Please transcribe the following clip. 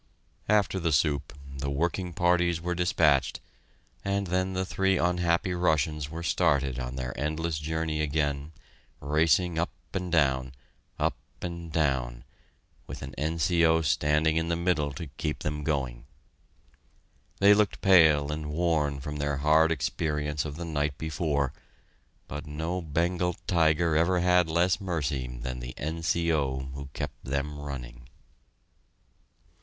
After the soup, the working parties were despatched, and then the three unhappy Russians were started on their endless journey again, racing up and down, up and down, with an N.C.O. standing in the middle to keep them going. They looked pale and worn from their hard experience of the night before, but no Bengal tiger ever had less mercy than the N.C.O., who kept them running.